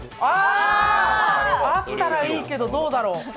あったらいいけどどうだろう？